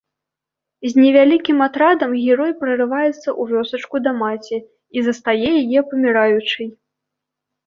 З невялікім атрадам герой прарываецца ў вёсачку да маці і застае яе паміраючай.